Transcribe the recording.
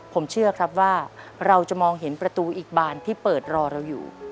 ผมเชื่อครับว่าเราจะมองเห็นประตูอีกบานที่เปิดรอเราอยู่